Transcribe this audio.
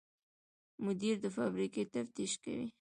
مدیر د فابریکې تفتیش کوي.